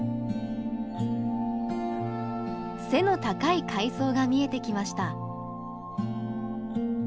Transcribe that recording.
背の高い海藻が見えてきました。